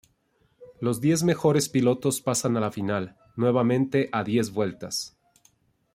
Los diez mejores pilotos pasan a la final, nuevamente a diez vueltas.